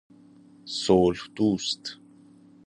صلح دوست